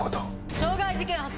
傷害事件発生。